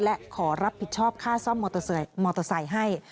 และขอรับผิดชอบค่าซ่อมมอเตอร์ไซค์ให้